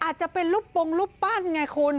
อาจจะเป็นรูปปงรูปปั้นไงคุณ